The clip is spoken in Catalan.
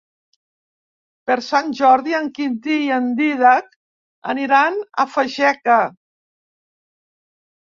Per Sant Jordi en Quintí i en Dídac aniran a Fageca.